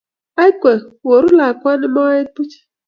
Aikwe, koru lakwana moet puch.